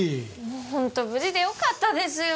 もうホント無事でよかったですよ